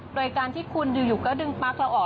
โดยการที่คุณอยู่ก็ดึงปั๊กเราออก